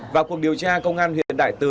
và cuộc điều tra công an huyện đại từ